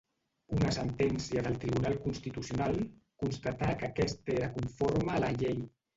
Una sentència del Tribunal Constitucional constatà que aquest era conforme a la llei.